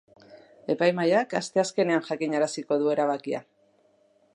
Epaimahaiak asteazkenean jakinaraziko du erabakia.